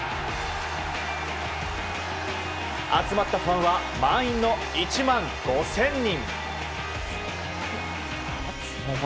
集まったファンは満員の１万５０００人。